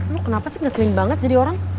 lo kenapa sih ngeselin banget jadi orang